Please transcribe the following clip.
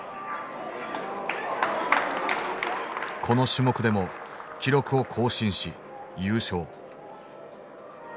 この種目でも記録を更新し優勝。